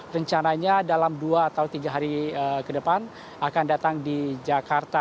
rencananya dalam dua atau tiga hari ke depan akan datang di jakarta